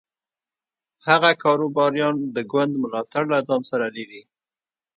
هغه کاروباریان د ګوند ملاتړ له ځان سره لري.